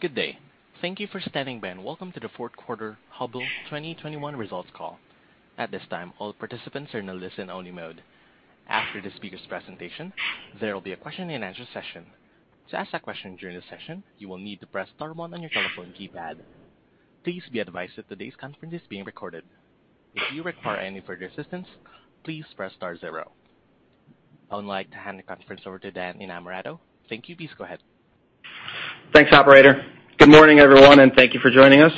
Good day. Thank you for standing by and welcome to the Q4 Hubbell 2021 results call. At this time, all participants are in a listen-only mode. After the speaker's presentation, there will be a question-and-answer session. To ask a question during the session, you will need to press star one on your telephone keypad. Please be advised that today's conference is being recorded. If you require any further assistance, please press star zero. I would like to hand the conference over to Dan Innamorato. Thank you. Please go ahead. Thanks, operator. Good morning, everyone, and thank you for joining us.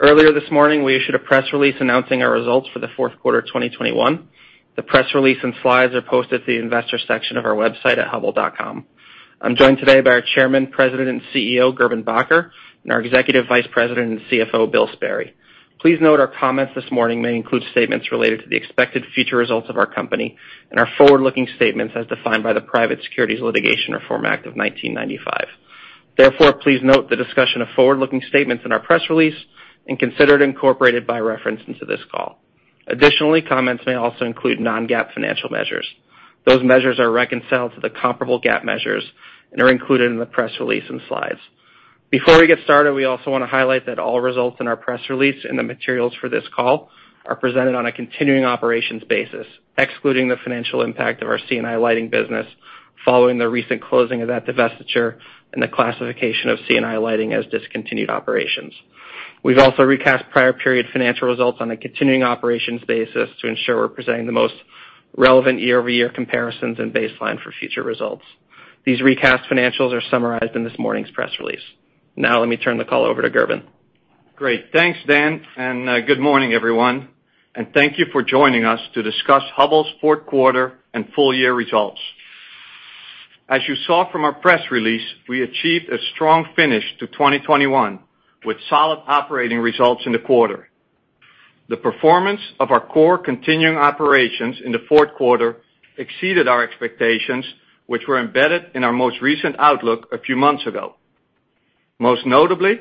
Earlier this morning, we issued a press release announcing our results for the Q4 of 2021. The press release and slides are posted at the investor section of our website at hubbell.com. I'm joined today by our Chairman, President, and CEO, Gerben Bakker, and our Executive Vice President and CFO, Bill Sperry. Please note our comments this morning may include statements related to the expected future results of our company and are forward-looking statements as defined by the Private Securities Litigation Reform Act of 1995. Therefore, please note the discussion of forward-looking statements in our press release and consider it incorporated by reference into this call. Additionally, comments may also include non-GAAP financial measures. Those measures are reconciled to the comparable GAAP measures and are included in the press release and slides. Before we get started, we also want to highlight that all results in our press release and the materials for this call are presented on a continuing operations basis, excluding the financial impact of our C&I Lighting business following the recent closing of that divestiture and the classification of C&I Lighting as discontinued operations. We've also recast prior period financial results on a continuing operations basis to ensure we're presenting the most relevant year-over-year comparisons and baseline for future results. These recast financials are summarized in this morning's press release. Now let me turn the call over to Gerben Bakker. Great. Thanks, Dan, and good morning, everyone, and thank you for joining us to discuss Hubbell's Q4 and full year results. As you saw from our press release, we achieved a strong finish to 2021 with solid operating results in the quarter. The performance of our core continuing operations in the Q4 exceeded our expectations, which were embedded in our most recent outlook a few months ago. Most notably,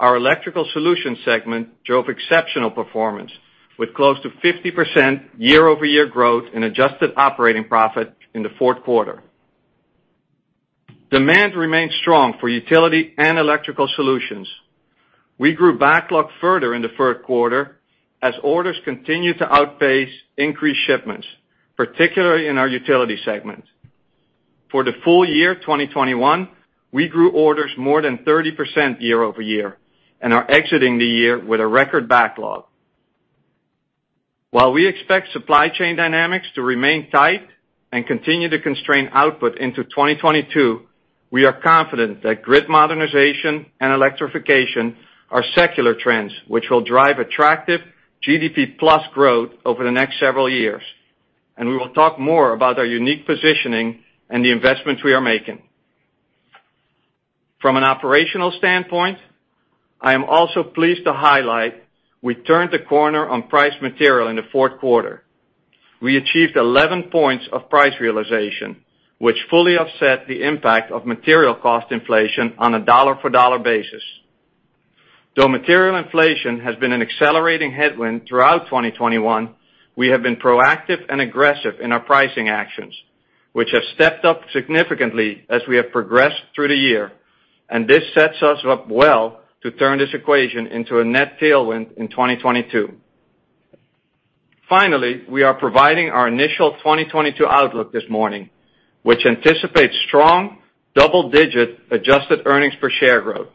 our Electrical Solutions segment drove exceptional performance with close to 50% year-over-year growth in adjusted operating profit in the Q4. Demand remained strong for utility and electrical solutions. We grew backlog further in the Q3 as orders continued to outpace increased shipments, particularly in our Utility Solutions segment. For the full year 2021, we grew orders more than 30% year-over-year and are exiting the year with a record backlog. While we expect supply chain dynamics to remain tight and continue to constrain output into 2022, we are confident that grid modernization and electrification are secular trends which will drive attractive GDP plus growth over the next several years, and we will talk more about our unique positioning and the investments we are making. From an operational standpoint, I am also pleased to highlight we turned the corner on pricing and material in the Q4. We achieved 11 points of price realization, which fully offset the impact of material cost inflation on a dollar-for-dollar basis. Though material inflation has been an accelerating headwind throughout 2021, we have been proactive and aggressive in our pricing actions, which have stepped up significantly as we have progressed through the year, and this sets us up well to turn this equation into a net tailwind in 2022. Finally, we are providing our initial 2022 outlook this morning, which anticipates strong double-digit adjusted earnings per share growth.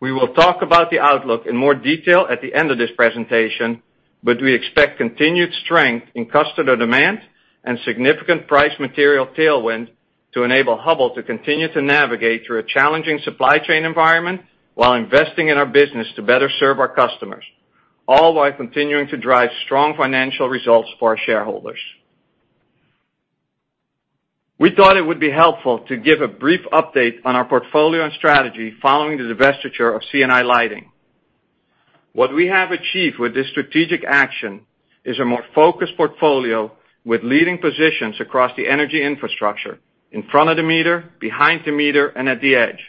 We will talk about the outlook in more detail at the end of this presentation, but we expect continued strength in customer demand and significant price material tailwind to enable Hubbell to continue to navigate through a challenging supply chain environment while investing in our business to better serve our customers, all while continuing to drive strong financial results for our shareholders. We thought it would be helpful to give a brief update on our portfolio and strategy following the divestiture of C&I Lighting. What we have achieved with this strategic action is a more focused portfolio with leading positions across the energy infrastructure in front of the meter, behind the meter, and at the edge.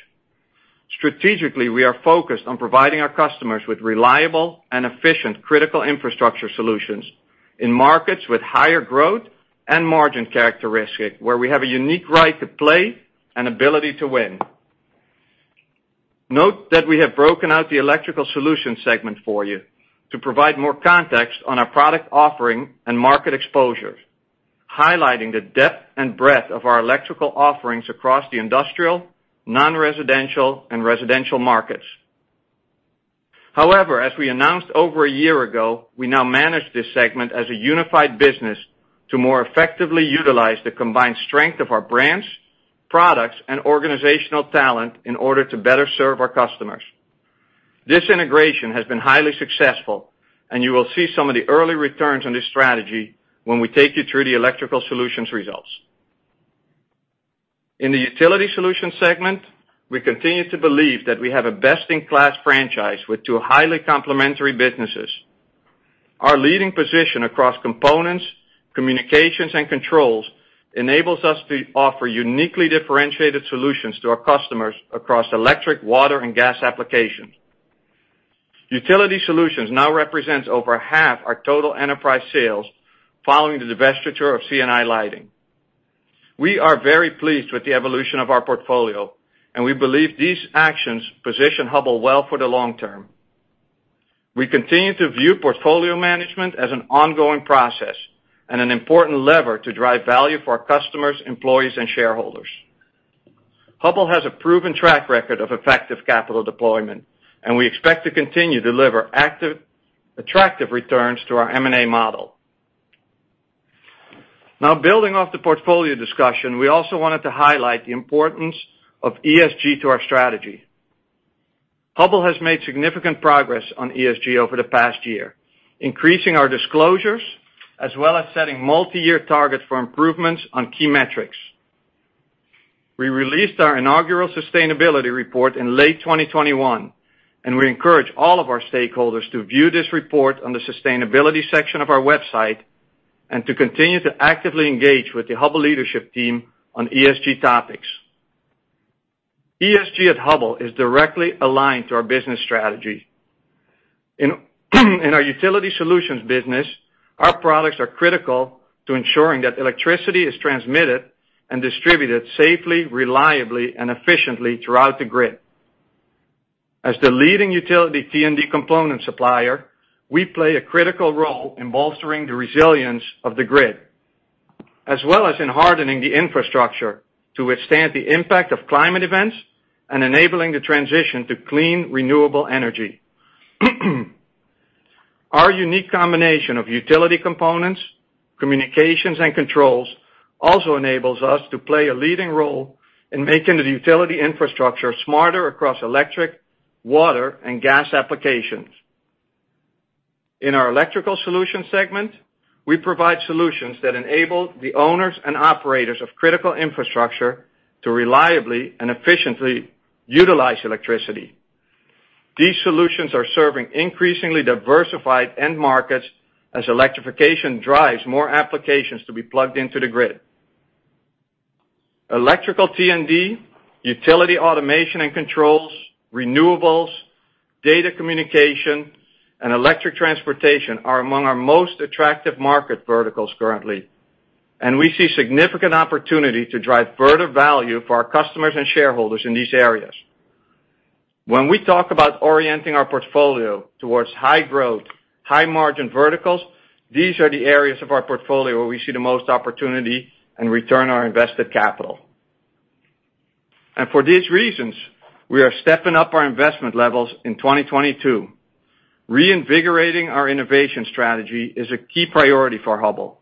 Strategically, we are focused on providing our customers with reliable and efficient critical infrastructure solutions in markets with higher growth and margin characteristics, where we have a unique right to play and ability to win. Note that we have broken out the Electrical Solutions segment for you to provide more context on our product offering and market exposure, highlighting the depth and breadth of our electrical offerings across the industrial, non-residential, and residential markets. However, as we announced over a year ago, we now manage this segment as a unified business to more effectively utilize the combined strength of our brands, products, and organizational talent in order to better serve our customers. This integration has been highly successful, and you will see some of the early returns on this strategy when we take you through the Electrical Solutions results. In the Utility Solutions segment, we continue to believe that we have a best-in-class franchise with two highly complementary businesses. Our leading position across components, communications, and controls enables us to offer uniquely differentiated solutions to our customers across electric, water, and gas applications. Utility Solutions now represents over half our total enterprise sales following the divestiture of C&I Lighting. We are very pleased with the evolution of our portfolio, and we believe these actions position Hubbell well for the long term. We continue to view portfolio management as an ongoing process and an important lever to drive value for our customers, employees, and shareholders. Hubbell has a proven track record of effective capital deployment, and we expect to continue to deliver attractive returns to our M&A model. Now, building off the portfolio discussion, we also wanted to highlight the importance of ESG to our strategy. Hubbell has made significant progress on ESG over the past year, increasing our disclosures as well as setting multi-year targets for improvements on key metrics. We released our inaugural sustainability report in late 2021, and we encourage all of our stakeholders to view this report on the sustainability section of our website and to continue to actively engage with the Hubbell leadership team on ESG topics. ESG at Hubbell is directly aligned to our business strategy. In our Utility Solutions business, our products are critical to ensuring that electricity is transmitted and distributed safely, reliably, and efficiently throughout the grid. As the leading utility T&D component supplier, we play a critical role in bolstering the resilience of the grid, as well as in hardening the infrastructure to withstand the impact of climate events and enabling the transition to clean, renewable energy. Our unique combination of utility components, communications, and controls also enables us to play a leading role in making the utility infrastructure smarter across electric, water, and gas applications. In our Electrical Solutions segment, we provide solutions that enable the owners and operators of critical infrastructure to reliably and efficiently utilize electricity. These solutions are serving increasingly diversified end markets as electrification drives more applications to be plugged into the grid. Electrical T&D, utility automation and controls, renewables, data communication, and electric transportation are among our most attractive market verticals currently, and we see significant opportunity to drive further value for our customers and shareholders in these areas. When we talk about orienting our portfolio towards high growth, high margin verticals, these are the areas of our portfolio where we see the most opportunity and return on invested capital. For these reasons, we are stepping up our investment levels in 2022. Reinvigorating our innovation strategy is a key priority for Hubbell.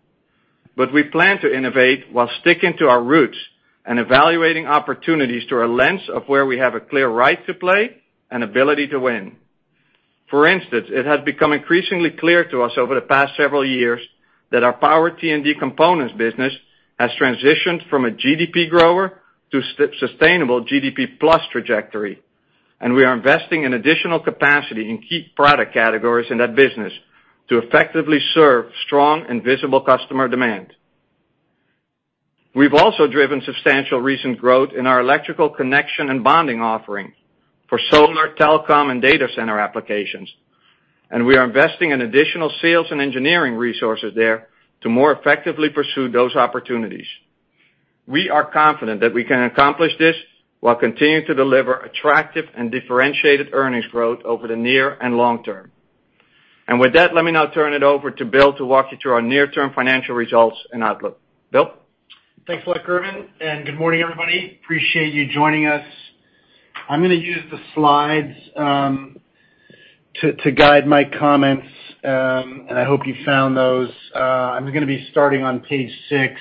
We plan to innovate while sticking to our roots and evaluating opportunities through a lens of where we have a clear right to play and ability to win. For instance, it has become increasingly clear to us over the past several years that our power T&D components business has transitioned from a GDP grower to sustainable GDP plus trajectory, and we are investing in additional capacity in key product categories in that business to effectively serve strong and visible customer demand. We've also driven substantial recent growth in our electrical connection and bonding offering for solar, telecom, and data center applications, and we are investing in additional sales and engineering resources there to more effectively pursue those opportunities. We are confident that we can accomplish this while continuing to deliver attractive and differentiated earnings growth over the near and long term. With that, let me now turn it over to Bill to walk you through our near-term financial results and outlook. Bill? Thanks a lot, Gerben, and good morning, everybody. Appreciate you joining us. I'm going to use the slides to guide my comments, and I hope you found those. I'm just going to be starting on page six,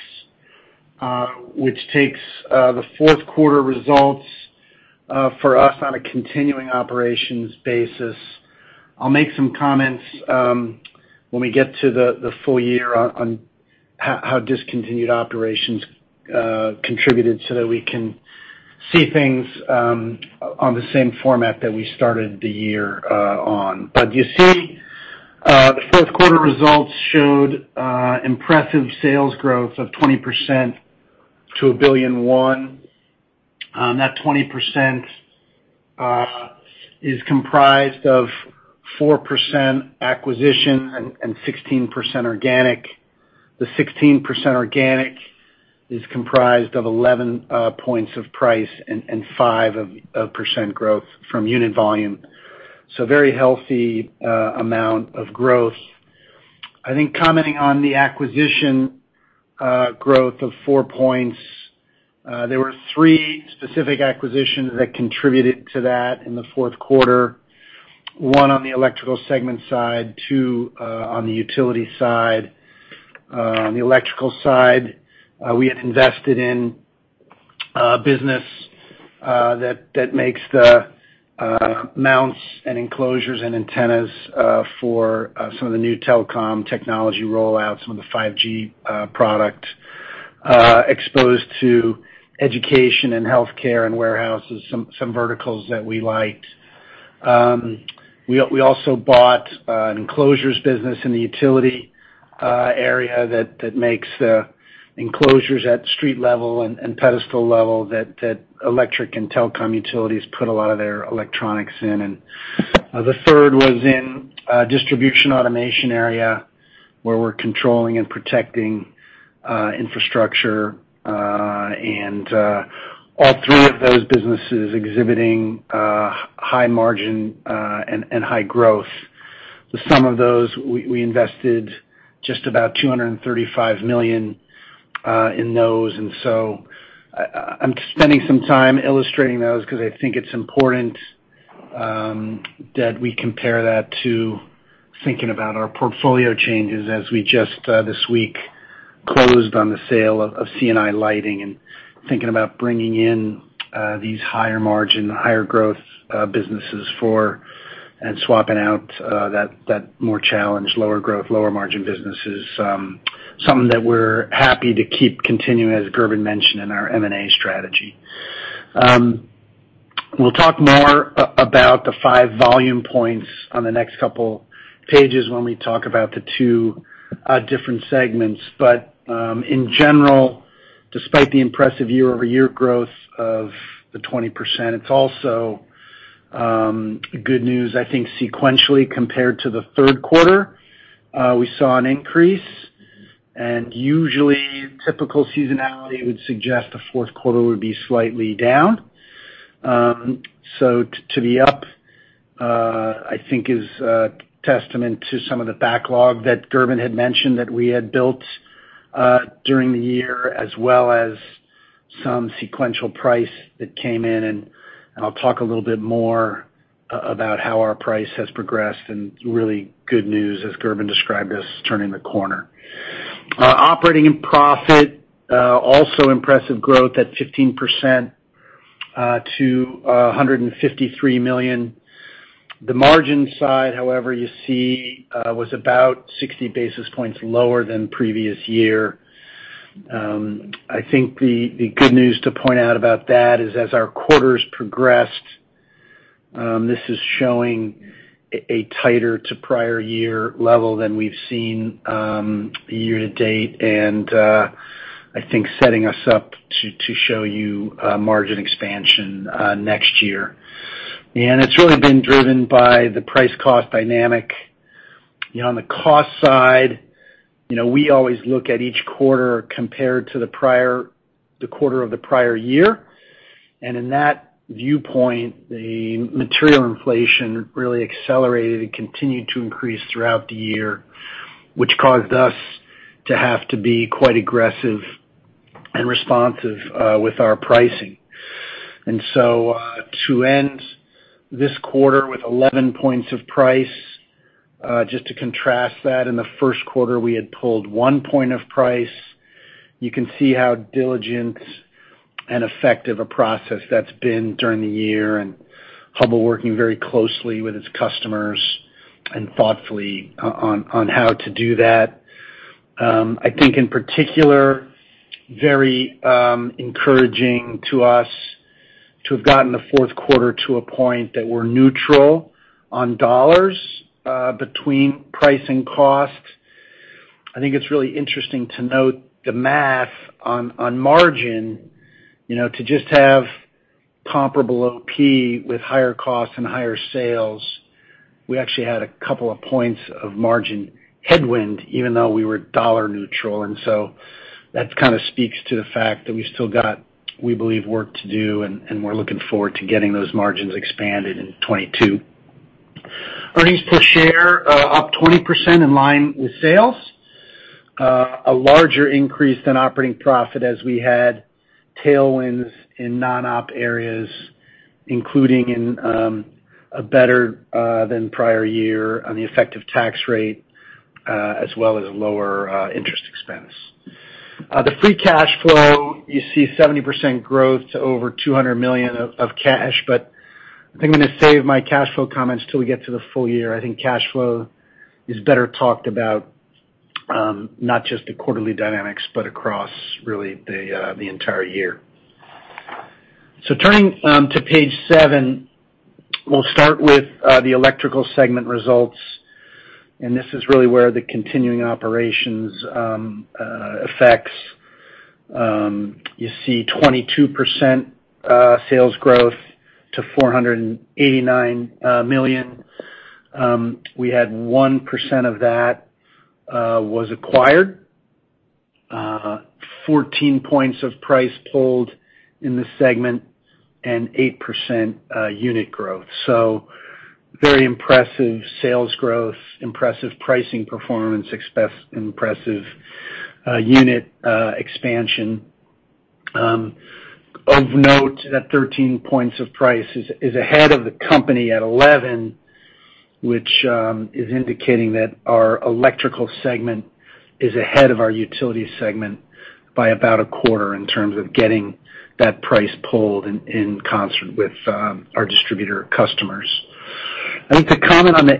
which takes the Q4 results for us on a continuing operations basis. I'll make some comments when we get to the full year on how discontinued operations contributed so that we can see things on the same format that we started the year on. You see, the Q4 results showed impressive sales growth of 20% to $1.1 billion. That 20% is comprised of 4% acquisition and 16% organic. The 16% organic is comprised of 11 points of price and 5% growth from unit volume. Very healthy amount of growth. I think commenting on the acquisition growth of four points, there were three specific acquisitions that contributed to that in the Q4, one on the Electrical Solutions side, two on the Utility Solutions side. On the Electrical Solutions side, we had invested in a business that makes the mounts and enclosures and antennas for some of the new telecom technology rollouts, some of the 5G product exposed to education and healthcare and warehouses, some verticals that we liked. We also bought an enclosures business in the utility area that makes enclosures at street level and pedestal level that electric and telecom utilities put a lot of their electronics in. The third was in a distribution automation area where we're controlling and protecting infrastructure. All three of those businesses exhibiting high margin and high growth. The sum of those, we invested just about $235 million in those. I'm spending some time illustrating those because I think it's important that we compare that to thinking about our portfolio changes as we just this week closed on the sale of C&I Lighting and thinking about bringing in these higher margin, higher growth businesses for and swapping out that more challenged, lower growth, lower margin businesses. Something that we're happy to keep continuing, as Gerben mentioned, in our M&A strategy. We'll talk more about the five volume points on the next couple pages when we talk about the two different segments. In general, despite the impressive year-over-year growth of the 20%, it's also good news, I think, sequentially compared to the Q3. We saw an increase, and usually, typical seasonality would suggest the Q4 would be slightly down. To be up, I think is a testament to some of the backlog that Gerben had mentioned that we had built during the year, as well as some sequential price that came in. I'll talk a little bit more about how our price has progressed and really good news, as Gerben described, as turning the corner. Operating profit also impressive growth at 15% to $153 million. The margin side, however, you see, was about 60-basis points lower than previous year. I think the good news to point out about that is as our quarters progressed, this is showing a tighter to prior year level than we've seen year to date, and I think setting us up to show you margin expansion next year. It's really been driven by the price cost dynamic. You know, on the cost side, you know, we always look at each quarter compared to the quarter of the prior year. In that viewpoint, the material inflation really accelerated and continued to increase throughout the year, which caused us to have to be quite aggressive and responsive with our pricing. To end this quarter with 11 points of price, just to contrast that, in the Q1, we had pulled one point of price. You can see how diligent and effective a process that's been during the year, and Hubbell working very closely with its customers and thoughtfully on how to do that. I think in particular, very encouraging to us to have gotten the Q4 to a point that we're neutral on dollars between price and cost. I think it's really interesting to note the math on margin. You know, to just have comparable OP with higher costs and higher sales, we actually had a couple of points of margin headwind even though we were dollar neutral. That kind of speaks to the fact that we still got, we believe, work to do, and we're looking forward to getting those margins expanded in 2022. Earnings per share up 20% in line with sales. A larger increase in operating profit as we had tailwinds in non-op areas, including a better than prior year on the effective tax rate, as well as lower interest expense. The free cash flow, you see 70% growth to over $200 million of cash. I think I'm going to save my cash flow comments till we get to the full year. I think cash flow is better talked about, not just the quarterly dynamics, but across really the entire year. Turning to page seven, we'll start with the Electrical segment results, and this is really where the continuing operations effects. You see 22% sales growth to $489 million. We had 1% of that was acquired. 14 points of price pulled in the segment and 8%-unit growth. Very impressive sales growth, impressive pricing performance, impressive unit expansion. Of note that 13 points of price is ahead of the company at 11, which is indicating that our Electrical Solutions segment is ahead of our Utility Solutions segment by about a quarter in terms of getting that price pulled in concert with our distributor customers. I think to comment on the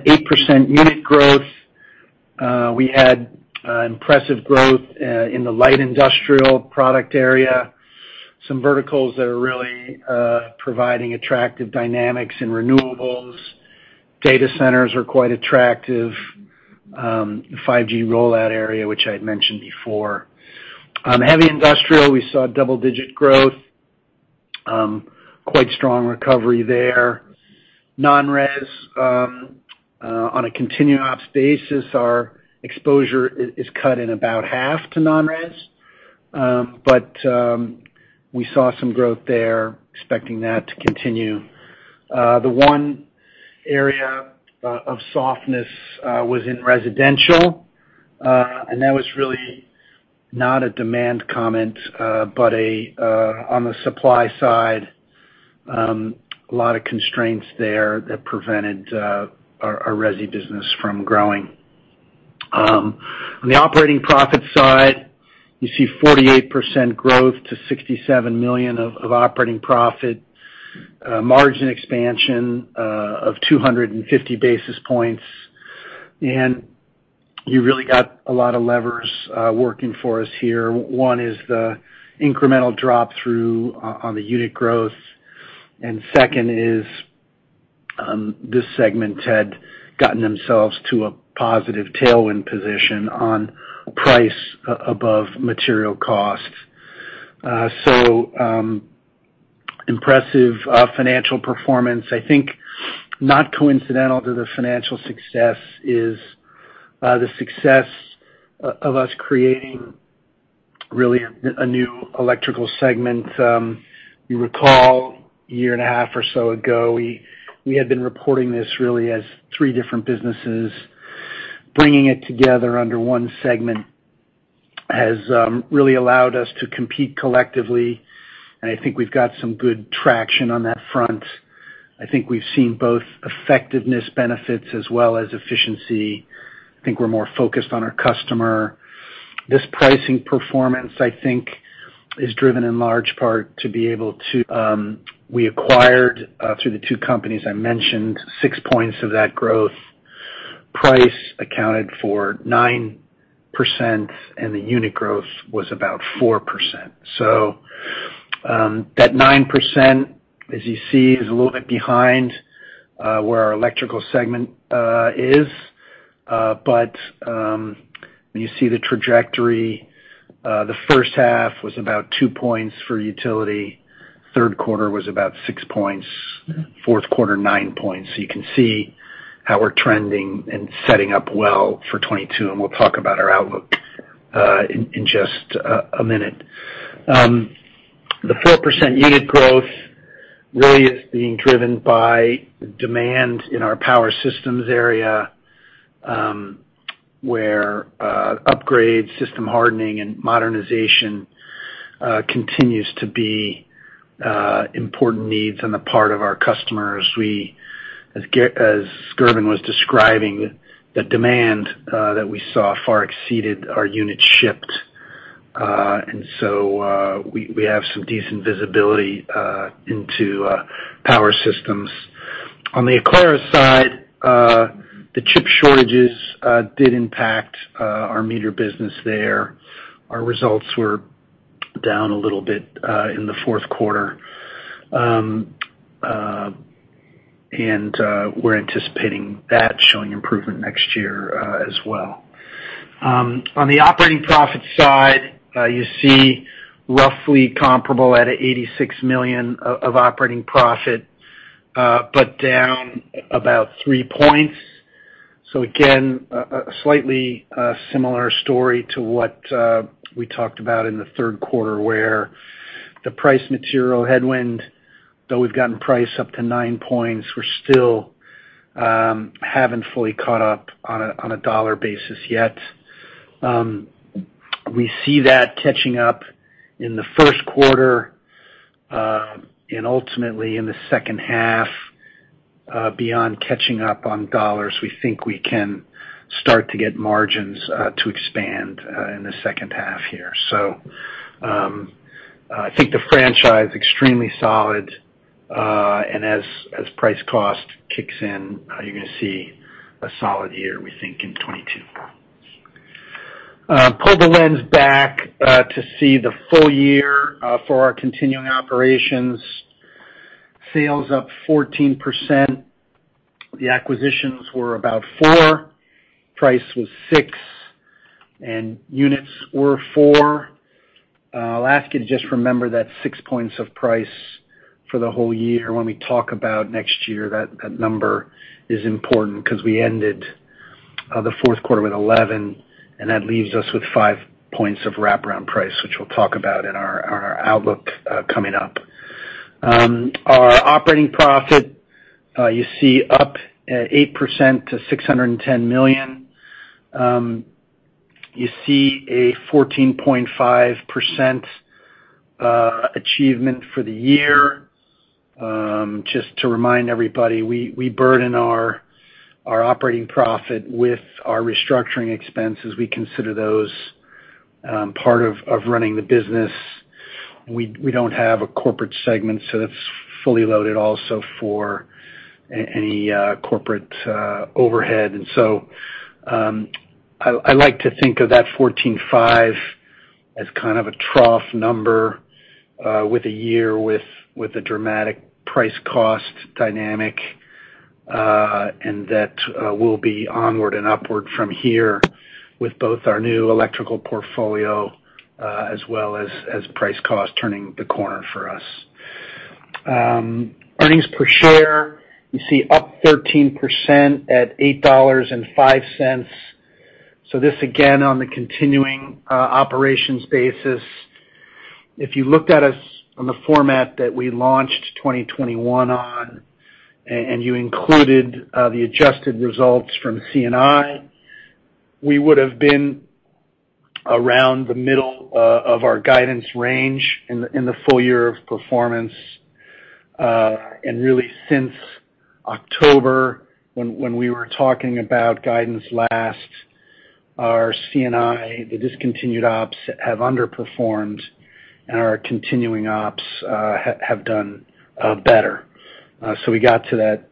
8% unit growth, we had impressive growth in the light industrial product area. Some verticals that are really providing attractive dynamics in renewables, data centers, the 5G rollout area, which I had mentioned before. Heavy industrial, we saw double-digit growth, quite strong recovery there. Non-res, on a continuing ops basis, our exposure is cut in about half to non-res, but we saw some growth there, expecting that to continue. The one area of softness was in residential, and that was really not a demand comment, but on the supply side, a lot of constraints there that prevented our resi business from growing. On the operating profit side, you see 48% growth to $67 million of operating profit, margin expansion of 250-basis points. You really got a lot of levers working for us here. One is the incremental drop through on the unit growth, and second is, this segment had gotten themselves to a positive tailwind position on price above material costs. Impressive financial performance. I think not coincidental to the financial success is, the success of us creating really a new electrical segment. You recall a year and a half or so ago, we had been reporting this really as three different businesses. Bringing it together under one segment has really allowed us to compete collectively, and I think we've got some good traction on that front. I think we've seen both effectiveness benefits as well as efficiency. I think we're more focused on our customer. This pricing performance, I think, is driven in large part to be able to, we acquired through the two companies I mentioned, six points of that growth. Price accounted for 9%, and the unit growth was about 4%. That 9%, as you see, is a little bit behind where our electrical segment is. When you see the trajectory, the H1 was about two points for utility. Q3 was about six points. Q4, nine points. You can see how we're trending and setting up well for 2022, and we'll talk about our outlook in just a minute. The 4%-unit growth really is being driven by demand in our power systems area, where upgrade, system hardening, and modernization continues to be important needs on the part of our customers. As Gerben was describing, the demand that we saw far exceeded our units shipped. We have some decent visibility into power systems. On the Aclara side, the chip shortages did impact our meter business there. Our results were down a little bit in the Q4. We're anticipating that showing improvement next year, as well. On the operating profit side, you see roughly comparable at $86 million of operating profit, but down about three points. Again, a slightly similar story to what we talked about in the Q3, where the price material headwind, though we've gotten price up to nine points, we still haven't fully caught up on a dollar basis yet. We see that catching up in the Q1 and ultimately in the H2. Beyond catching up on dollars, we think we can start to get margins to expand in the H2 here. I think the franchise extremely solid. As price cost kicks in, you're going to see a solid year, we think, in 2022. Pull the lens back to see the full year for our continuing operations. Sales up 14%. The acquisitions were about four, price was six, and units were four. I'll ask you to just remember that six points of price for the whole year when we talk about next year. That number is important because we ended the Q4 with 11, and that leaves us with five points of wraparound price, which we'll talk about in our outlook coming up. Our operating profit you see up 8% to $610 million. You see a 14.5% achievement for the year. Just to remind everybody, we burden our operating profit with our restructuring expenses. We consider those part of running the business. We don't have a corporate segment, so that's fully loaded also for any corporate overhead. I like to think of that 14.5 as kind of a trough number with a year with a dramatic price cost dynamic and that will be onward and upward from here with both our new electrical portfolio as well as price cost turning the corner for us. Earnings per share, you see up 13% at $8.05. This again on the continuing operations basis. If you looked at us on the format that we launched 2021 on and you included the adjusted results from C&I, we would have been around the middle of our guidance range in the full year of performance. Really, since October, when we were talking about guidance last, our CNI, the discontinued ops have underperformed, and our continuing ops have done better. We got to that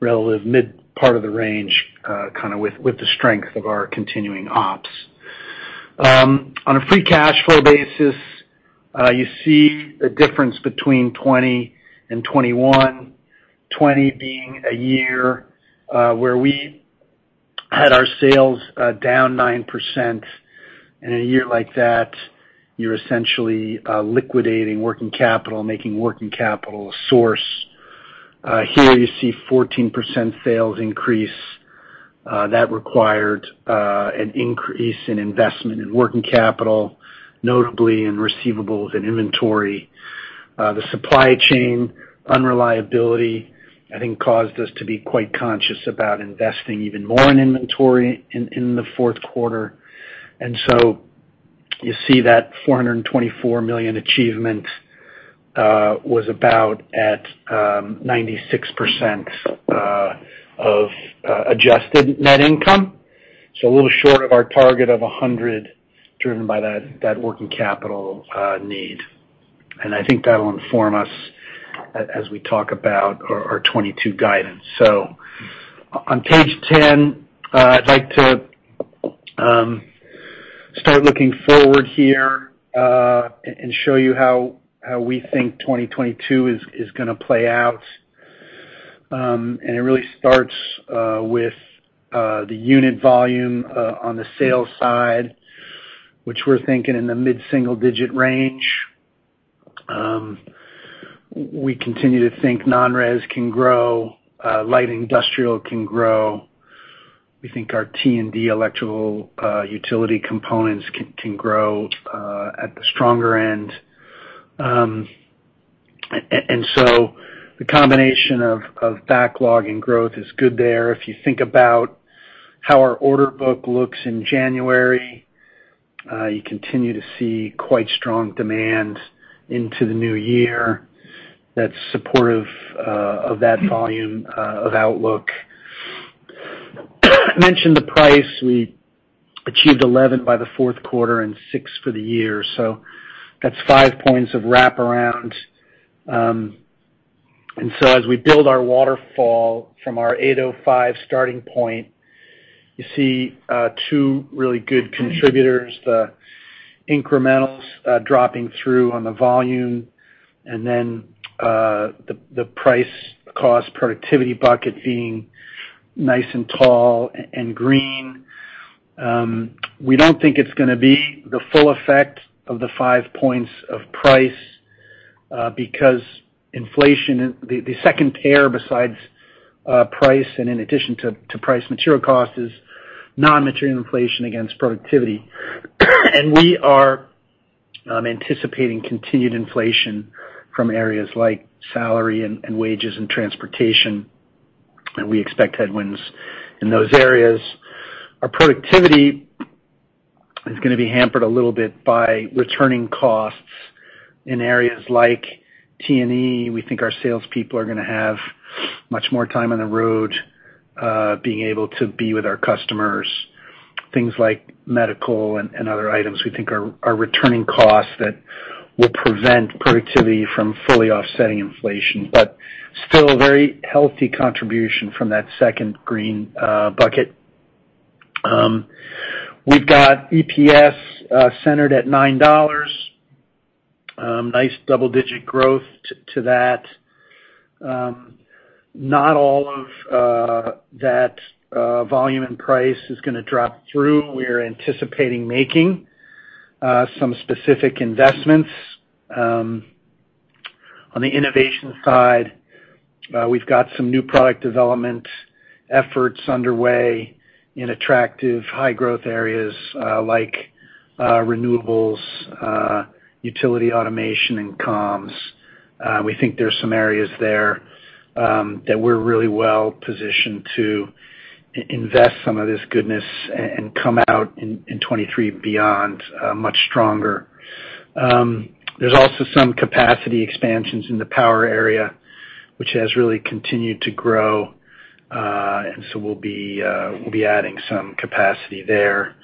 relative mid part of the range, kind of with the strength of our continuing ops. On a free cash flow basis, you see a difference between 2020 and 2021, 2020 being a year where we had our sales down 9%. In a year like that, you're essentially liquidating working capital, making working capital a source. Here you see 14% sales increase that required an increase in investment in working capital, notably in receivables and inventory. The supply chain unreliability, I think, caused us to be quite conscious about investing even more in inventory in the Q4. You see that $424 million achievement was about at 96% of adjusted net income. A little short of our target of 100% driven by that working capital need. I think that'll inform us as we talk about our 2022 guidance. On page 10, I'd like to start looking forward here and show you how we think 2022 is going to play out. It really starts with the unit volume on the sales side, which we're thinking in the mid-single digit range. We continue to think non-res can grow, light industrial can grow. We think our T&D electrical utility components can grow at the stronger end. The combination of backlog and growth is good there. If you think about how our order book looks in January, you continue to see quite strong demand into the new year that's supportive of that volume outlook. Mentioned the price. We achieved 11% by the Q4 and 6% for the year. So that's five points of wraparound. As we build our waterfall from our $8.05 starting point, you see two really good contributors, the incremental dropping through on the volume, and then the price cost productivity bucket being nice and tall and green. We don't think it's going to be the full effect of the five points of price because inflation, the second pair besides price and in addition to price material cost is non-material inflation against productivity. We are anticipating continued inflation from areas like salary and wages and transportation, and we expect headwinds in those areas. Our productivity is going to be hampered a little bit by returning costs in areas like T&E. We think our salespeople are going to have much more time on the road, being able to be with our customers. Things like medical and other items we think are returning costs that will prevent productivity from fully offsetting inflation, but still a very healthy contribution from that second green bucket. We've got EPS centered at $9. Nice double-digit growth to that. Not all of that volume and price is going to drop through. We're anticipating making some specific investments. On the innovation side, we've got some new product development efforts underway in attractive high growth areas, like, renewables, utility automation and comms. We think there's some areas there, that we're really well-positioned to invest some of this goodness and come out in 2023 and beyond, much stronger. There's also some capacity expansions in the power area, which has really continued to grow. We'll be adding some capacity there.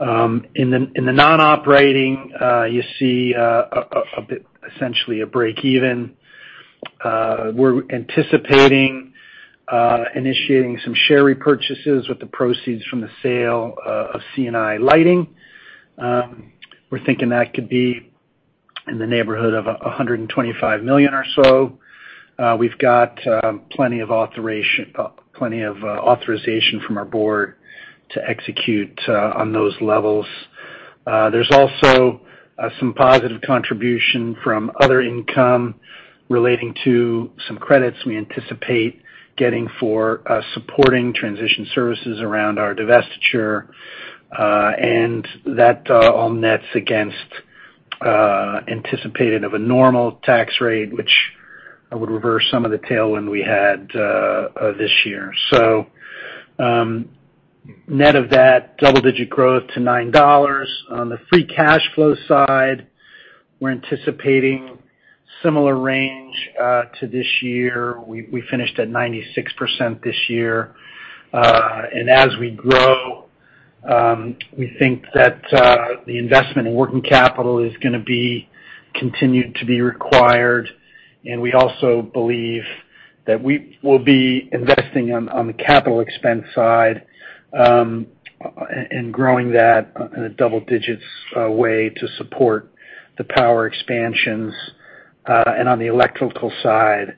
In the non-operating, you see, a bit essentially a breakeven. We're anticipating initiating some share repurchases with the proceeds from the sale of C&I Lighting. We're thinking that could be in the neighborhood of $125 million or so. We've got plenty of authorization from our board to execute on those levels. There's also some positive contribution from other income relating to some credits we anticipate getting for supporting transition services around our divestiture. That all nets against the anticipated application of a normal tax rate, which would reverse some of the tailwind we had this year. Net of that, double-digit growth to $9. On the free cash flow side, we're anticipating similar range to this year. We finished at 96% this year. As we grow, we think that the investment in working capital is going to be continued to be required, and we also believe that we will be investing on the capital expense side, and growing that in a double digits way to support the power expansions, and on the electrical side,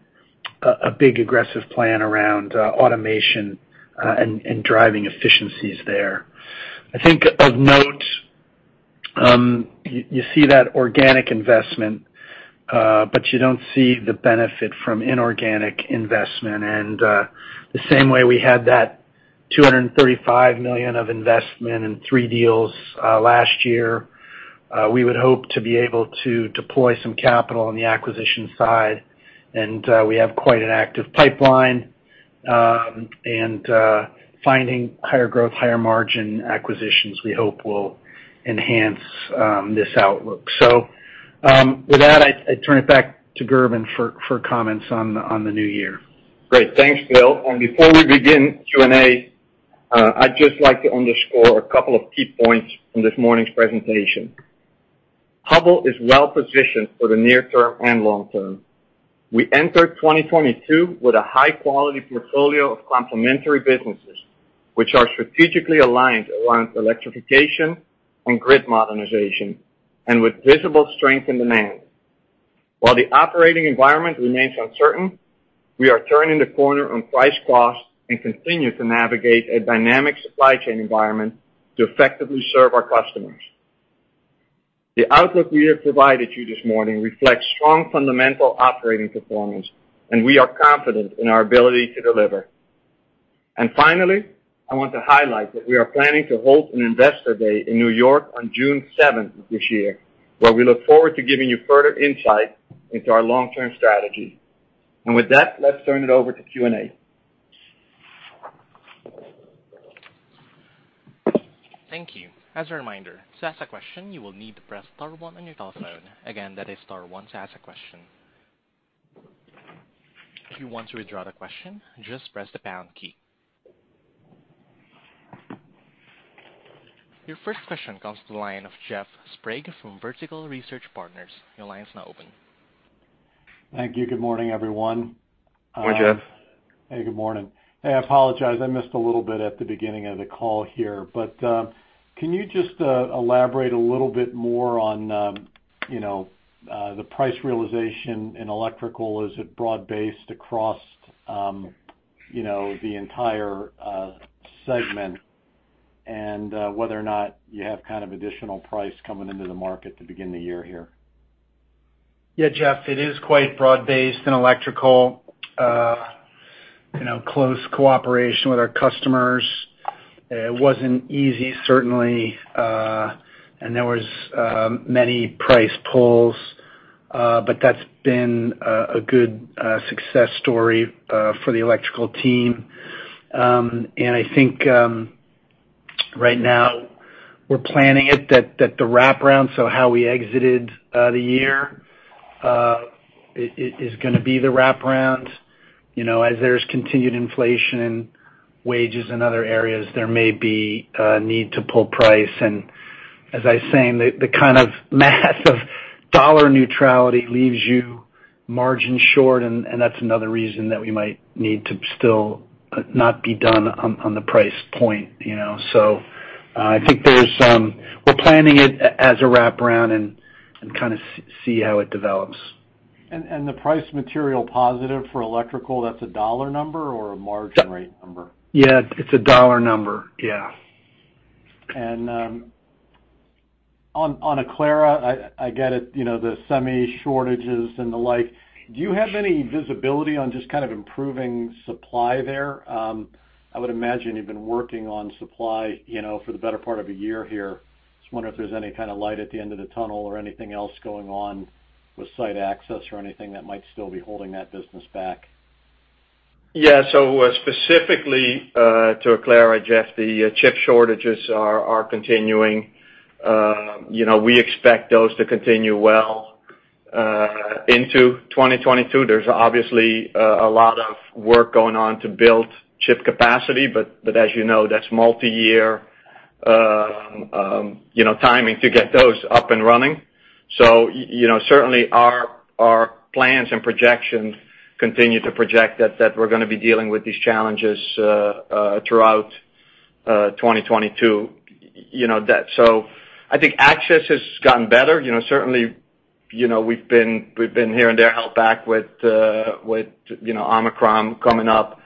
a big aggressive plan around automation, and driving efficiencies there. I think of note, you see that organic investment, but you don't see the benefit from inorganic investment. The same way we had that $235 million of investment in three deals last year, we would hope to be able to deploy some capital on the acquisition side. We have quite an active pipeline, and finding higher growth, higher margin acquisitions we hope will enhance this outlook. With that, I turn it back to Gerben for comments on the new year. Great. Thanks, Bill. Before we begin Q&A, I'd just like to underscore a couple of key points from this morning's presentation. Hubbell is well-positioned for the near term and long term. We enter 2022 with a high-quality portfolio of complementary businesses, which are strategically aligned around electrification and grid modernization, and with visible strength and demand. While the operating environment remains uncertain, we are turning the corner on price cost and continue to navigate a dynamic supply chain environment to effectively serve our customers. The outlook we have provided you this morning reflects strong fundamental operating performance, and we are confident in our ability to deliver. Finally, I want to highlight that we are planning to hold an Investor Day in New York on June seventh this year, where we look forward to giving you further insight into our long-term strategy. With that, let's turn it over to Q&A. Thank you. As a reminder, to ask a question, you will need to press star one on your telephone. Again, that is star one to ask a question. If you want to withdraw the question, just press the pound key. Your first question comes to the line of Jeff Sprague from Vertical Research Partners. Your line is now open. Thank you. Good morning, everyone. Good morning, Jeff. Hey, good morning. I apologize. I missed a little bit at the beginning of the call here. Can you just elaborate a little bit more on, you know, the price realization in electrical? Is it broad-based across, you know, the entire segment? Whether or not you have kind of additional price coming into the market to begin the year here. Yeah, Jeff, it is quite broad-based in electrical. You know, close cooperation with our customers. It wasn't easy, certainly, and there was many price pulls. But that's been a good success story for the electrical team. I think right now we're planning it that the wraparound, so how we exited the year is going to be the wraparound. You know, as there's continued inflation in wages and other areas, there may be a need to pull price. As I was saying, the kind of math of dollar neutrality leaves you margin short, and that's another reason that we might need to still not be done on the price point, you know? I think we're planning it as a wraparound and kind of see how it develops. The price, material positive for Electrical, that's a dollar number or a margin rate number? Yeah, it's a dollar number. Yeah. On Aclara, I get it, you know, the semi shortages and the like. Do you have any visibility on just kind of improving supply there? I would imagine you've been working on supply, you know, for the better part of a year here. Just wonder if there's any kind of light at the end of the tunnel or anything else going on with site access or anything that might still be holding that business back. Yeah. Specifically, to Aclara, Jeff, the chip shortages are continuing. You know, we expect those to continue well into 2022. There's obviously a lot of work going on to build chip capacity, but as you know, that's multi-year, you know, timing to get those up and running. You know, certainly our plans and projections continue to project that we're going to be dealing with these challenges throughout 2022. You know. I think access has gotten better. You know, certainly, you know, we've been here and there held back with Omicron coming up.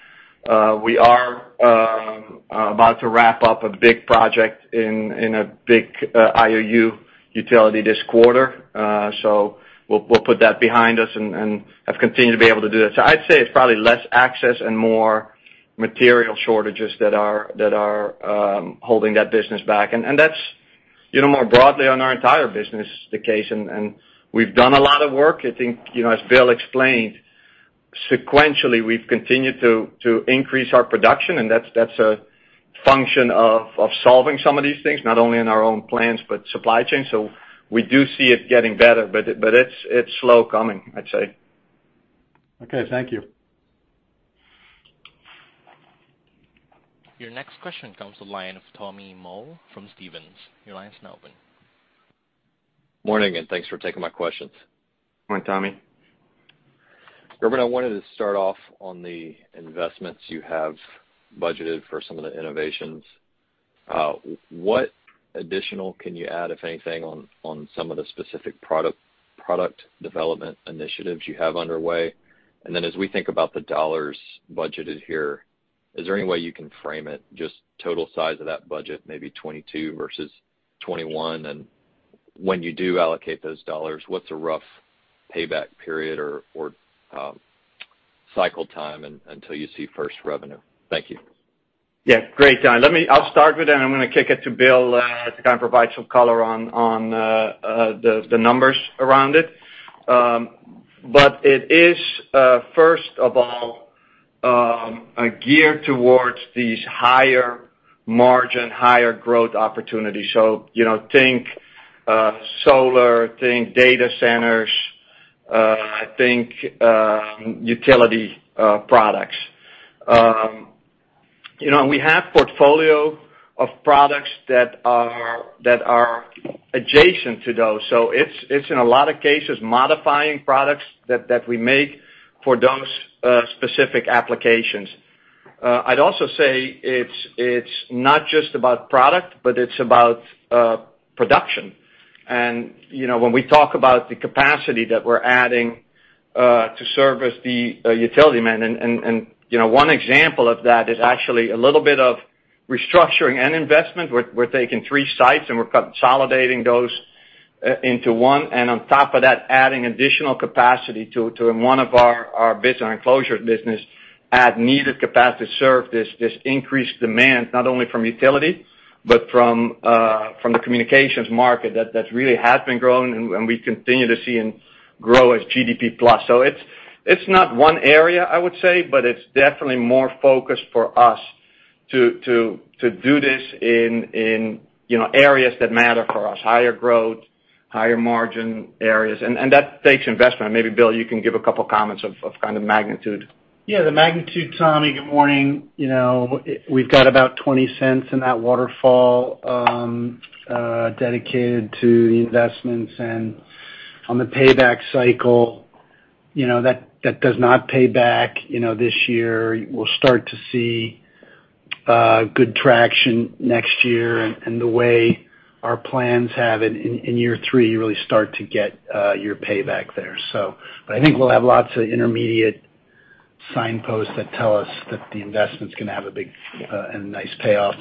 We are about to wrap up a big project in a big IOU utility this quarter. We'll put that behind us and have continued to be able to do that. I'd say it's probably less access and more material shortages that are holding that business back. That's, you know, more broadly on our entire business the case, and we've done a lot of work. I think, you know, as Bill explained, sequentially, we've continued to increase our production, and that's a function of solving some of these things, not only in our own plants, but supply chain. We do see it getting better, but it's slow coming, I'd say. Okay, thank you. Your next question comes from the line of Tommy Moll from Stephens. Your line's now open. Morning, and thanks for taking my questions. Morning, Tommy. Gerben, I wanted to start off on the investments you have budgeted for some of the innovations. What additional can you add, if anything, on some of the specific product development initiatives you have underway? As we think about the dollars budgeted here, is there any way you can frame it, just total size of that budget, maybe 2022 versus 2021? When you do allocate those dollars, what's a rough payback period or cycle time until you see first revenue? Thank you. Yeah, great, I'll start with it, and I'm going to kick it to Bill, to kind of provide some color on the numbers around it. It is, first of all, geared towards these higher margin, higher growth opportunities. You know, think solar, think data centers, think utility products. You know, we have portfolio of products that are adjacent to those. It's in a lot of cases modifying products that we make for those specific applications. I'd also say it's not just about product, but it's about production. You know, when we talk about the capacity that we're adding to service the utility demand, and you know, one example of that is actually a little bit of restructuring and investment. We're taking three sites, and we're consolidating those into one, and on top of that, adding additional capacity to one of our business, our enclosure business, add needed capacity to serve this increased demand, not only from utility, but from the communications market that really has been growing and we continue to see and grow as GDP Plus. It's not one area I would say, but it's definitely more focused for us to do this in, you know, areas that matter for us, higher growth, higher margin areas. That takes investment. Maybe Bill, you can give a couple of comments of kind of magnitude. Yeah, the magnitude, Tommy. Good morning. You know, we've got about $0.20 in that waterfall dedicated to the investments. On the payback cycle, you know, that does not pay back, you know, this year. We'll start to see good traction next year. The way our plans have it in year three, you really start to get your payback there. But I think we'll have lots of intermediate signposts that tell us that the investment's going to have a big and nice payoff.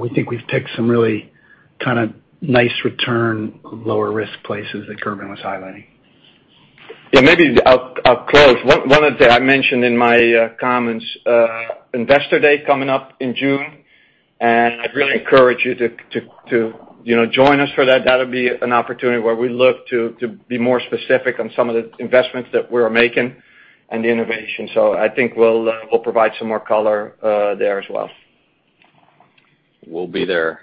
We think we've picked some really kind of nice return, lower risk places that Gerben was highlighting. Yeah, maybe I'll close. I mentioned in my comments, Investor Day coming up in June, and I'd really encourage you to, you know, join us for that. That'll be an opportunity where we look to be more specific on some of the investments that we're making and the innovation. So I think we'll provide some more color there as well. We'll be there.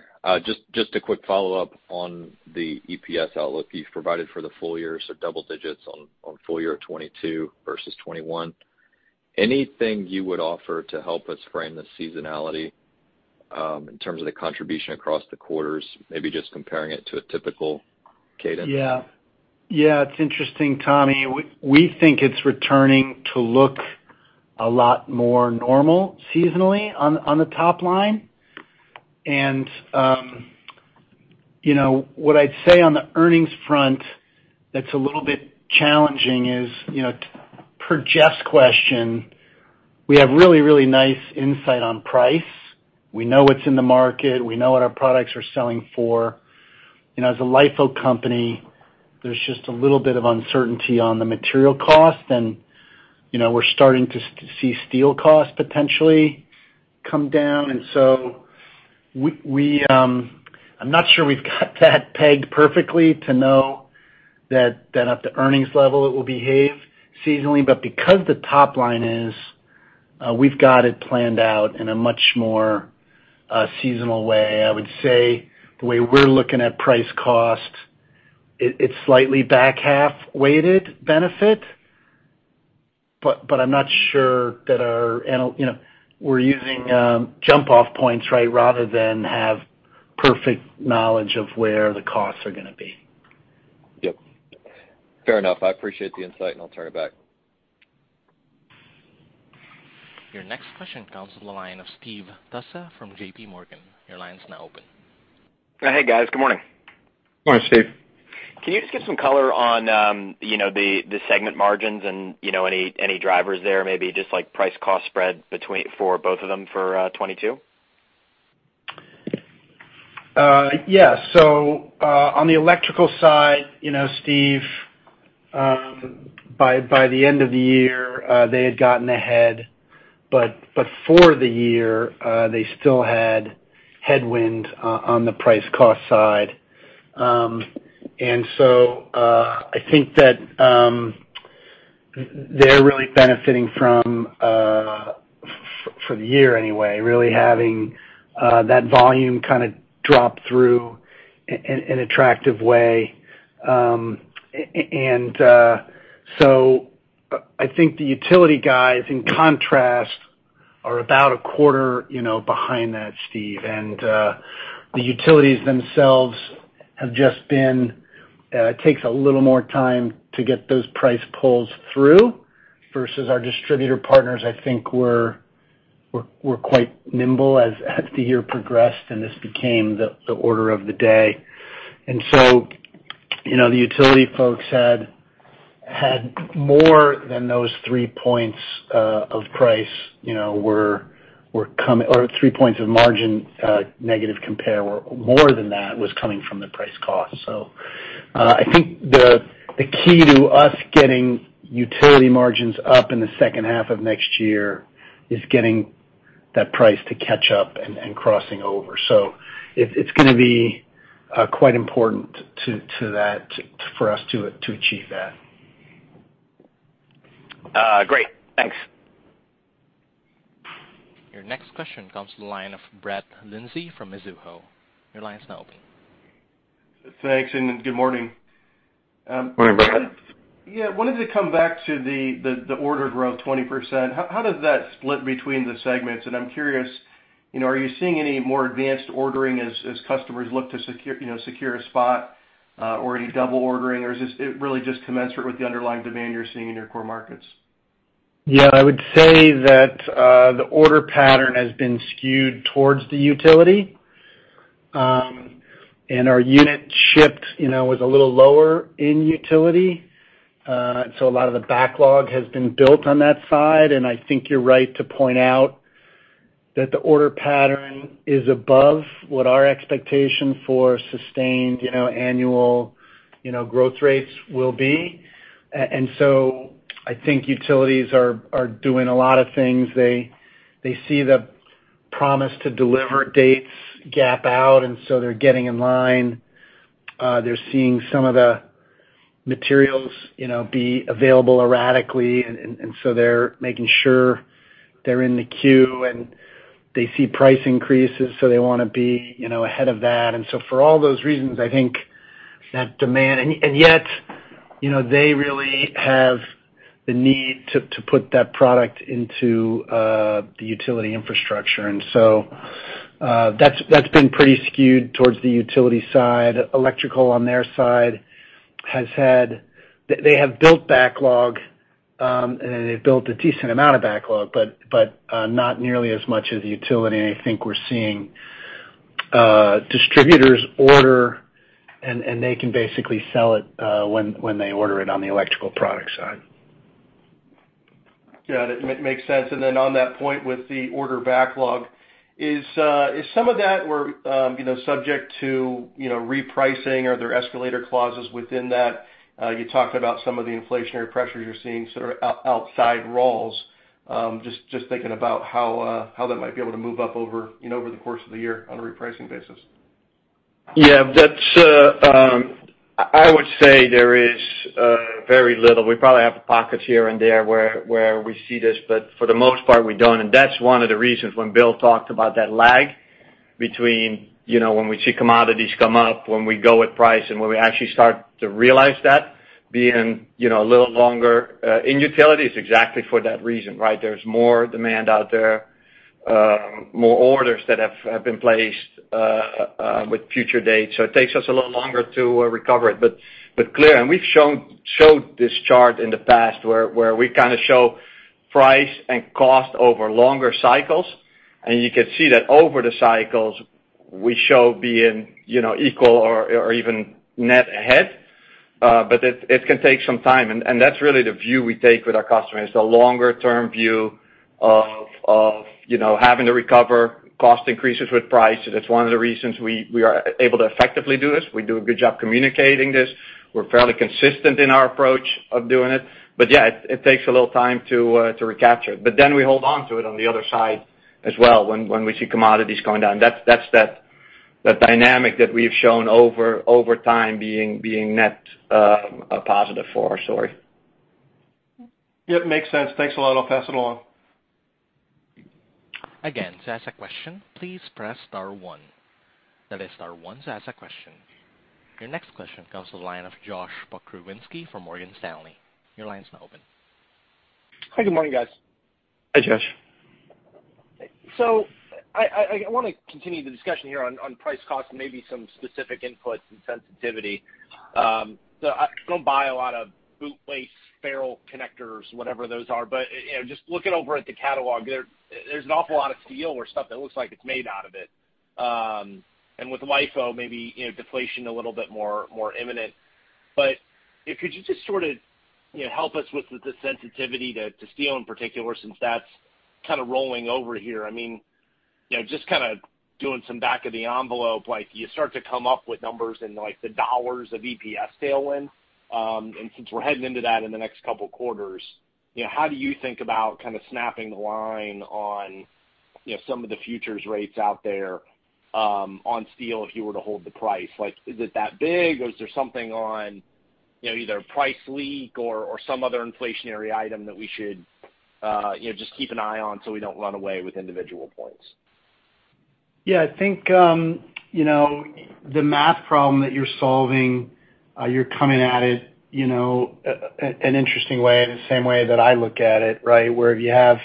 Just a quick follow-up on the EPS outlook you've provided for the full year, so double digits on full year 2022 versus 2021. Anything you would offer to help us frame the seasonality in terms of the contribution across the quarters, maybe just comparing it to a typical cadence? Yeah. Yeah, it's interesting, Tommy. We think it's returning to look a lot more normal seasonally on the top line. You know, what I'd say on the earnings front that's a little bit challenging is, you know, per Jeff's question, we have really, really nice insight on price. We know what's in the market. We know what our products are selling for. You know, as a LIFO company, there's just a little bit of uncertainty on the material cost and, you know, we're starting to see steel costs potentially come down. I'm not sure we've got that pegged perfectly to know that at the earnings level it will behave seasonally. Because the top line is, we've got it planned out in a much more seasonal way. I would say the way we're looking at price cost, it's slightly back-half-weighted benefit, but I'm not sure you know, we're using jump off points, right, rather than have perfect knowledge of where the costs are going to be. Yep. Fair enough. I appreciate the insight, and I'll turn it back. Your next question comes from the line of Steve Tusa from J.P. Morgan. Your line's now open. Hey, guys. Good morning. Good morning, Steve. Can you just give some color on, you know, the segment margins and, you know, any drivers there, maybe just like price cost spread between, for both of them for 2022? Yes. On the electrical side, you know, Steve, by the end of the year, they had gotten ahead, but for the year, they still had headwind on the price cost side. I think that they're really benefiting from for the year anyway, really having that volume kind of drop through in an attractive way. I think the utility guys, in contrast, are about a quarter, you know, behind that, Steve. The utilities themselves, it takes a little more time to get those price pulls through versus our distributor partners I think were quite nimble as the year progressed, and this became the order of the day. You know, the utility folks had more than those three points of price, you know, or three points of margin negative comp, where more than that was coming from the price cost. I think the key to us getting utility margins up in the H2 of next year is getting that price to catch up and crossing over. It's going to be quite important for us to achieve that. Great. Thanks. Your next question comes from the line of Brett Linzey from Mizuho. Your line is now open. Thanks, and Good morning. Morning, Brett. Yeah, wanted to come back to the order growth 20%. How does that split between the segments? I'm curious, you know, are you seeing any more advanced ordering as customers look to secure a spot, you know, or any double ordering? Or is it really just commensurate with the underlying demand you're seeing in your core markets? Yeah. I would say that the order pattern has been skewed towards the utility. Our units shipped, you know, was a little lower in utility. A lot of the backlog has been built on that side, and I think you're right to point out that the order pattern is above what our expectation for sustained, you know, annual, you know, growth rates will be. I think utilities are doing a lot of things. They see the promise to deliver dates gap out, and so they're getting in line. They're seeing some of the materials, you know, be available erratically and so they're making sure they're in the queue, and they see price increases, so they want to be, you know, ahead of that. For all those reasons, I think that demand. Yet, you know, they really have the need to put that product into the utility infrastructure. That's been pretty skewed towards the Utility side. Electrical, on their side, they have built backlog and they've built a decent amount of backlog, but not nearly as much as Utility. I think we're seeing distributors order, and they can basically sell it when they order it on the Electrical product side. Yeah, that makes sense. Then on that point with the order backlog, is some of that where you know subject to you know repricing? Are there escalator clauses within that? You talked about some of the inflationary pressures you're seeing sort of outside raws. Just thinking about how that might be able to move up over you know over the course of the year on a repricing basis. Yeah. That's, I would say there is, very little. We probably have pockets here and there where we see this, but for the most part, we don't. That's one of the reasons when Bill talked about that lag between, you know, when we see commodities come up, when we go with price, and when we actually start to realize that being, you know, a little longer, in utility is exactly for that reason, right? There's more demand out there, more orders that have been placed, with future dates, so it takes us a little longer to, recover it. Clear, and we've shown this chart in the past where we kind of show price and cost over longer cycles, and you can see that over the cycles, we show being you know equal or even net ahead, but it can take some time. That's really the view we take with our customers, the longer term view of you know having to recover cost increases with price. That's one of the reasons we are able to effectively do this. We do a good job communicating this. We're fairly consistent in our approach of doing it. Yeah, it takes a little time to recapture it. We hold on to it on the other side as well when we see commodities going down. That's that dynamic that we've shown over time being net positive for our story. Yep, makes sense. Thanks a lot. I'll pass it along. Your next question comes to the line of Josh Pokrzywinski from Morgan Stanley. Your line's now open. Hi, good morning, guys. Hi, Josh. I want to continue the discussion here on price cost and maybe some specific inputs and sensitivity. I don't buy a lot of bootlace ferrule connectors, whatever those are, but you know, just looking over at the catalog there's an awful lot of steel or stuff that looks like it's made out of it. And with LIFO maybe, you know, deflation a little bit more imminent. Could you just sort of, you know, help us with the sensitivity to steel in particular since that's kind of rolling over here? I mean, you know, just kind of doing some back of the envelope, like you start to come up with numbers in like the dollars of EPS tailwind. Since we're heading into that in the next couple quarters, you know, how do you think about kind of snapping the line on, you know, some of the futures rates out there, on steel if you were to hold the price? Like, is it that big or is there something on, you know, either price leak or some other inflationary item that we should, you know, just keep an eye on so we don't run away with individual points? I think, the math problem that you're solving, you're coming at it an interesting way, the same way that I look at it, right? Where you have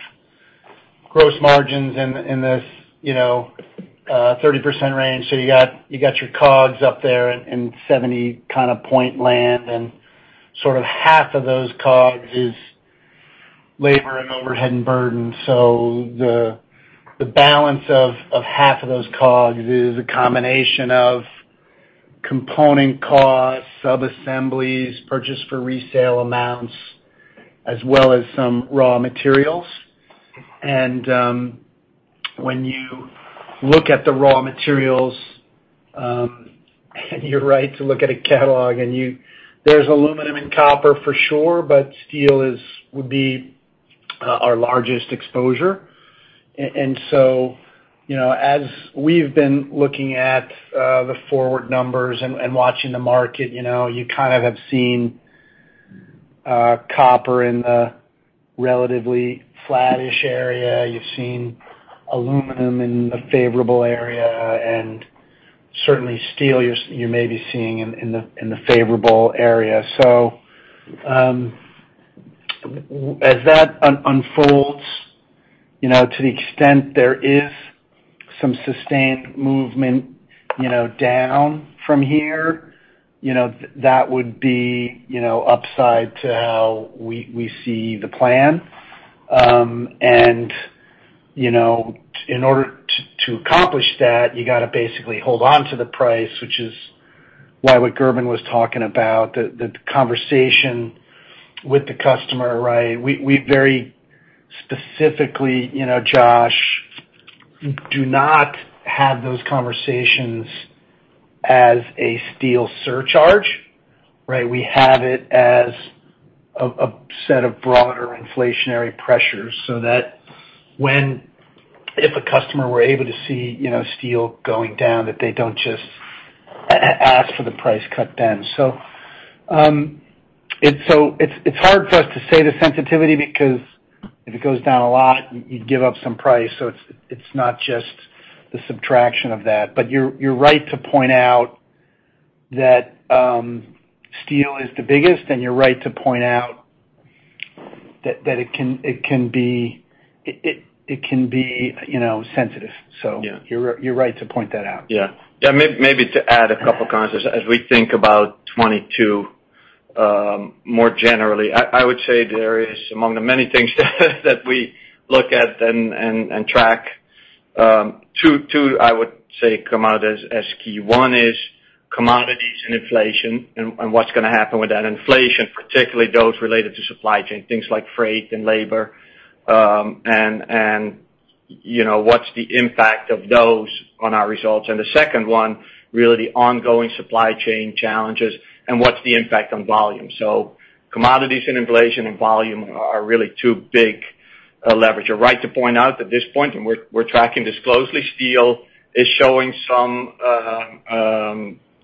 gross margins in this 30% range, you got your COGS up there in 70 point land and sort of half of those COGS is labor and overhead and burden. The balance of half of those COGS is a combination of component costs, subassemblies, purchase for resale amounts, as well as some raw materials. When you look at the raw materials, and you're right to look at a catalog and there's aluminum and copper for sure, but steel would be our largest exposure. You know, as we've been looking at the forward numbers and watching the market, you know, you kind of have seen copper in the relatively flattish area. You've seen aluminum in the favorable area. Certainly steel you may be seeing in the favorable area. As that unfolds, you know, to the extent there is some sustained movement, you know, down from here, you know, that would be, you know, upside to how we see the plan. To, in order to accomplish that, you got to basically hold on to the price, which is why what Gerben was talking about, the conversation with the customer, right? We very specifically, you know, Josh, do not have those conversations as a steel surcharge, right? We have it as a set of broader inflationary pressures so that if a customer were able to see, you know, steel going down, that they don't just ask for the price cut then. It's hard for us to say the sensitivity because if it goes down a lot, you'd give up some price. It's not just the subtraction of that. You're right to point out that steel is the biggest, and you're right to point out that it can be sensitive. Yeah. You're right to point that out. Yeah. Yeah. Maybe to add a couple comments. As we think about 2022, more generally, I would say there is, among the many things that we look at and track, two I would say come out as key. One is commodities and inflation and what's going to happen with that inflation, particularly those related to supply chain, things like freight and labor, and you know, what's the impact of those on our results. The second one, really the ongoing supply chain challenges and what's the impact on volume. Commodities and inflation and volume are really two big leverage. You're right to point out at this point, and we're tracking this closely, steel is showing some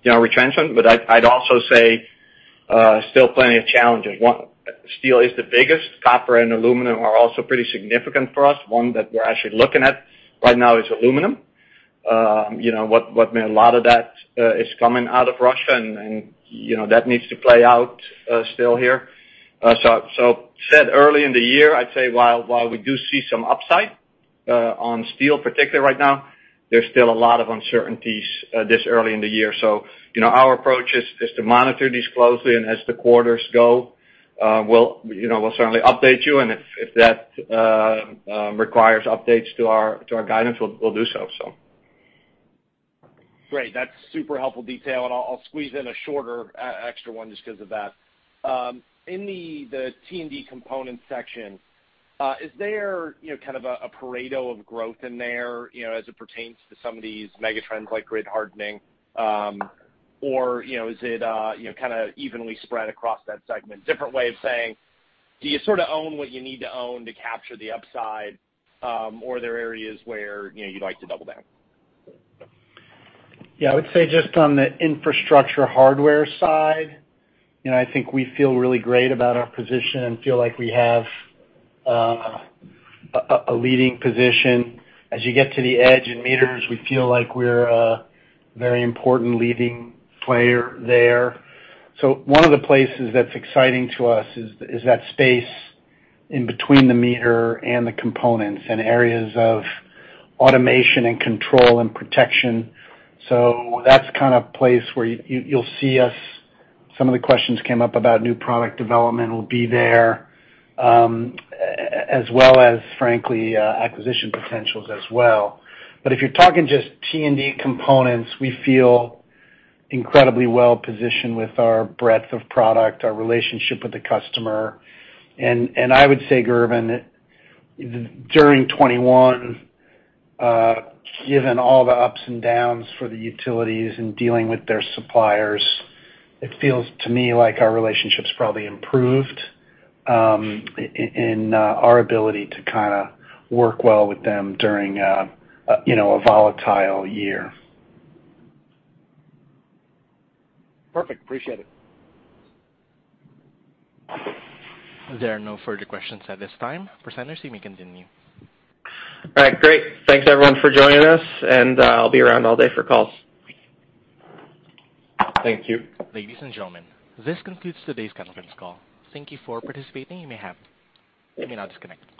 you know, retrenchment, but I'd also say still plenty of challenges. One, steel is the biggest. Copper and aluminum are also pretty significant for us. One that we're actually looking at right now is aluminum. You know, a lot of that is coming out of Russia and you know, that needs to play out still here. As I said early in the year, I'd say while we do see some upside on steel particularly right now, there's still a lot of uncertainties this early in the year. You know, our approach is to monitor these closely, and as the quarters go, we'll you know certainly update you. If that requires updates to our guidance, we'll do so. Great. That's super helpful detail. I'll squeeze in a shorter extra one just because of that. In the T&D components section, is there kind of a Pareto of growth in there, you know, as it pertains to some of these megatrends like grid hardening? Or, you know, is it kind of evenly spread across that segment? Different way of saying, do you sorta own what you need to own to capture the upside, or are there areas where, you know, you'd like to double down? Yeah. I would say just on the infrastructure hardware side, you know, I think we feel really great about our position and feel like we have a leading position. As you get to the edge in meters, we feel like we're a very important leading player there. So one of the places that's exciting to us is that space in between the meter and the components and areas of automation and control and protection. So that's kind of place where you'll see us. Some of the questions came up about new product development will be there, as well as frankly, acquisition potentials as well. But if you're talking just T&D components, we feel incredibly well positioned with our breadth of product, our relationship with the customer. I would say, Gerben, during 2021, given all the ups and downs for the utilities in dealing with their suppliers, it feels to me like our relationship's probably improved, in our ability to kind of work well with them during, you know, a volatile year. Perfect. Appreciate it. There are no further questions at this time. Presenters, you may continue. All right. Great. Thanks everyone for joining us, and I'll be around all day for calls. Thank you. Ladies and gentlemen, this concludes today's conference call. Thank you for participating. You may now disconnect.